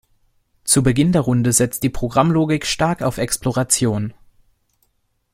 Zu Beginn der Runde setzt die Programmlogik stark auf Exploration.